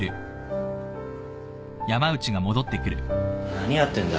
・何やってんだ？